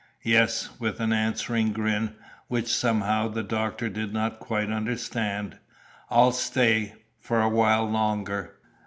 "Yes," with an answering grin, which somehow the doctor did not quite understand. "I'll stay for a while longer."